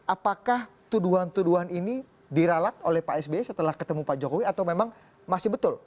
apakah tuduhan tuduhan ini diralat oleh pak sby setelah ketemu pak jokowi atau memang masih betul